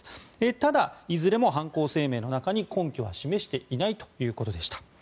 ただ、いずれも犯行声明の中に根拠は示していないということでした。